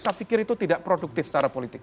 saya pikir itu tidak produktif secara politik